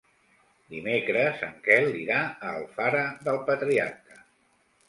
Dimecres en Quel irà a Alfara del Patriarca.